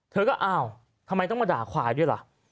เธอก็อ้าวทำไมต้องมาด่าควายด้วยล่ะ